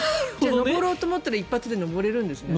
上ろうと思ったら一発で上れるんですね。